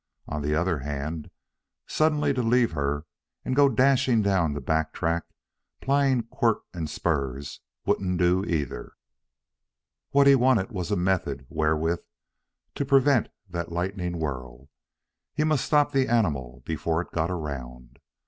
On the other hand, suddenly to leave her and go dashing down the back track, plying quirt and spurs, wouldn't do, either. What was wanted was a method wherewith to prevent that lightning whirl. He must stop the animal before it got around.